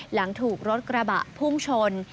หลังถูกรถกระบะพุ่งชน